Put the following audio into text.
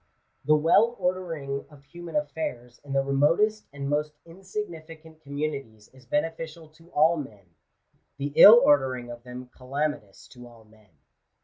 The well ordering of human affairs in the remotest and most insignificant com munities is beneficial to all men : the ill ordering of them > calamitous to all men.